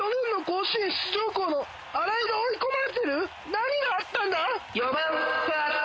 何があったんだ！？